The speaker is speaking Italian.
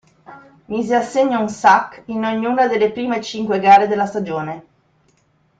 Mise a segno un sack in ognuna delle prime cinque gare della stagione.